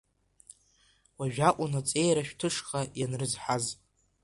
Уажәакәын аҵеира шәҭышха ианрызҳаз.